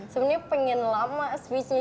sebenarnya pengen lama switch nya